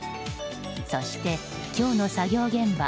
そして今日の作業現場